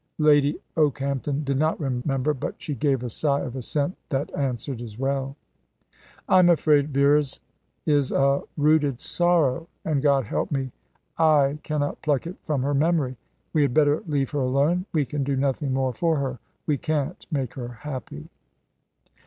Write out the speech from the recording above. Lady Okehampton did not remember; but she gave a sigh of assent that answered as well. "I'm afraid Vera's is a rooted sorrow, and, God help me! I cannot pluck it from her memory. We had better leave her alone. We can do nothing more for her. We can't make her happy."